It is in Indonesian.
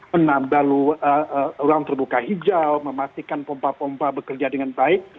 menambah ruang terbuka hijau memastikan pompa pompa bekerja dengan baik